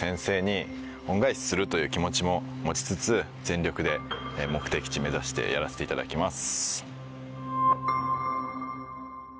するという気持ちも持ちつつ全力で目的地目指してやらしていただきます。